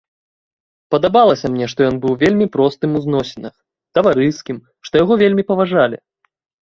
Падабалася мне, што ён быў вельмі простым у зносінах, таварыскім, што яго вельмі паважалі.